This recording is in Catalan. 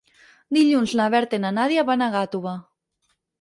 Dilluns na Berta i na Nàdia van a Gàtova.